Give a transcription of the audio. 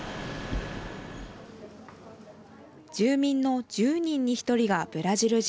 住民の１０人に１人がブラジル人。